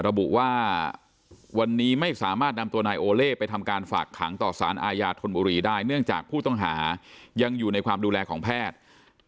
ระบุว่าวันนี้ไม่สามารถนำตัวนายโอเล่ไปทำการฝากขังต่อสารอาญาธนบุรีได้เนื่องจากผู้ต้องหายังอยู่ในความดูแลของแพทย์